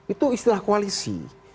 itu istilah koalisi